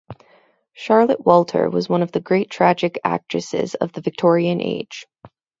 Charlotte Wolter was one of the great tragic actresses of the Victorian age.